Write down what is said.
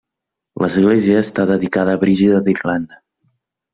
L'església està dedicada a Brígida d'Irlanda.